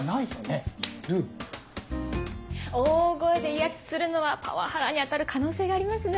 大声で威圧するのはパワハラに当たる可能性がありますね。